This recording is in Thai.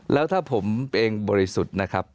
แล้วถ้าผมเองบริสุทธิ์นะครับ